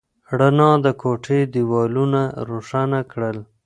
رڼا د کوټې دیوالونه روښانه کړل.